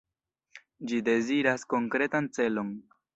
Ĝi deziras konkretan celon.